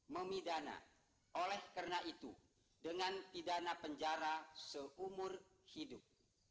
memidana oleh karena itu dengan pidana penjara seumur hidup